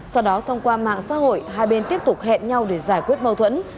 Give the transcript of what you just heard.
bên cạnh xã hội hai bên tiếp tục hẹn nhau để giải quyết mâu thuẫn